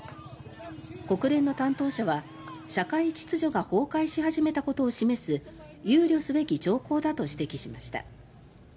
国連の担当者は、社会秩序が崩壊し始めたことを示す憂慮すべき兆候だと指摘しました。